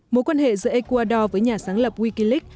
mối quan hệ giữa ecuador với nhà sáng lập wikileak